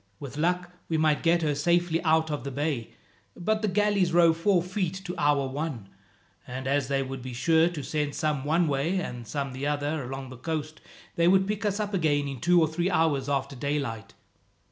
With luck we might get her safely out of the bay, but the galleys row four feet to our one, and as they would be sure to send some one way, and some the other, along the coast; they would pick us up again in two or three hours after daylight."